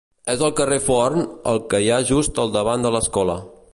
És al carrer Forn, el que hi ha just al davant de l'escola.